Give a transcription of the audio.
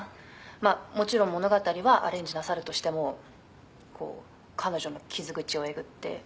「まあもちろん物語はアレンジなさるとしてもこう彼女の傷口をえぐって」